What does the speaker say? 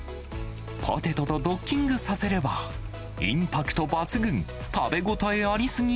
ポテトとドッキングさせれば、インパクト抜群、食べ応えありすぎ？